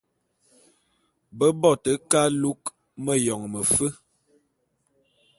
Be bo te ke alu'u meyone mefe.